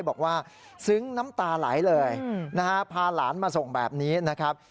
บอกว่าซึ้งน้ำตาไหลเลยนะฮะพาหลานมาส่งแบบนี้นะครับ